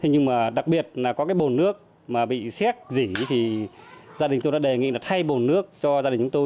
nhưng mà đặc biệt là có cái bồn nước mà bị xét dỉ thì gia đình tôi đã đề nghị là thay bồn nước cho gia đình chúng tôi